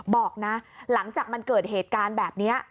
บอกนะหลังจากมันเกิดเหตุการณ์แบบนี้